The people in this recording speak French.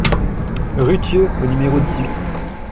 Rue Thieux au numéro dix-huit